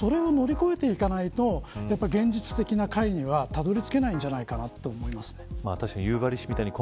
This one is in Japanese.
それを乗り越えていかないと現実的な解にはたどり着けないと思います。